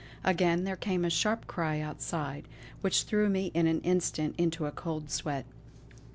Again there came a sharp cry outside, which threw me in an instant into a cold sweat.